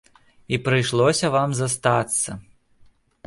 І прыйшлося вам застацца!